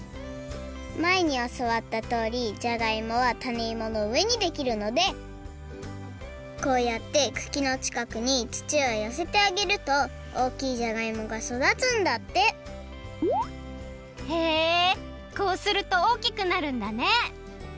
まえにおそわったとおりじゃがいもはたねいものうえにできるのでこうやってくきのちかくにつちをよせてあげるとおおきいじゃがいもが育つんだってへえこうするとおおきくなるんだね！